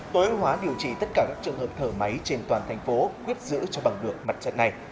tối ưu hóa điều trị tất cả các trường hợp thở máy trên toàn thành phố quyết giữ cho bằng được mặt trận này